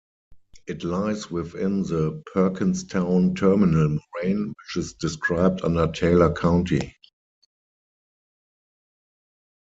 It lies within the Perkinstown terminal moraine, which is described under Taylor County.